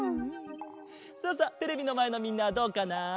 さあさあテレビのまえのみんなはどうかな？